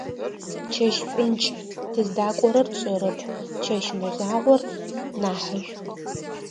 Чэщ шӀункӀ, тыздакӀорэр тшӀэрэп, чэщ мэзагъор нахьышӀу.